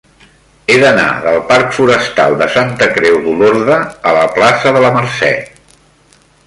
He d'anar del parc Forestal de Santa Creu d'Olorda a la plaça de la Mercè.